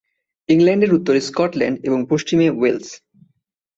ইংল্যান্ডের উত্তরে স্কটল্যান্ড এবং পশ্চিমে ওয়েলস।